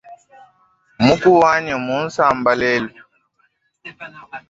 Muku wanyi mmunsamba lelu.